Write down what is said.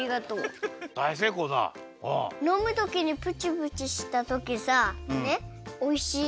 のむときにプチプチしたときさねっおいしい。